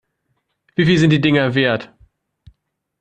Wie viel sind die Dinger wert?